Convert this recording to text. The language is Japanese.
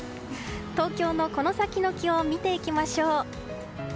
東京のこの先の気温を見ていきましょう。